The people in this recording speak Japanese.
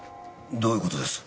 どういう事です？